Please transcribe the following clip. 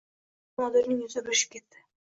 Bexosdan Nodirning yuzi burishib ketdi.